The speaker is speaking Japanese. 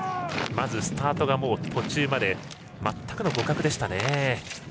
まず、スタートが途中まで全くの互角でしたね。